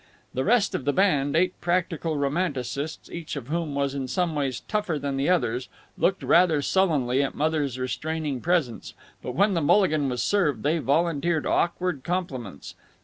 The rest of the band eight practical romanticists, each of whom was in some ways tougher than the others looked rather sullenly at Mother's restraining presence, but when the mulligan was served they volunteered awkward compliments.